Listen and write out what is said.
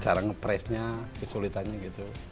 cara nge pressnya kesulitannya gitu